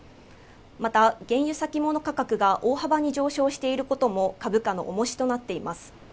また原油先物価格が大幅に上昇していることも株価の重しとなっています